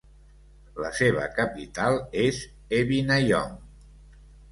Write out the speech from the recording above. La seva capital és Evinayong.